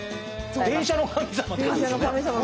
電車の神様ってことですよね。